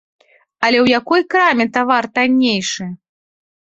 Але ў якой краме тавар таннейшы?